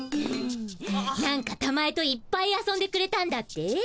なんかたまえといっぱい遊んでくれたんだって？